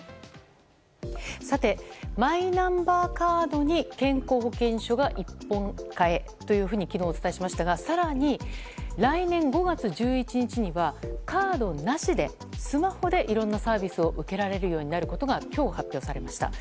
さて、マイナンバーカードに健康保険証が一本化へというふうに昨日、お伝えしましたが更に来年５月１１日にはカードなしでスマホでいろんなサービスを受けられるようになることが今日、発表されました。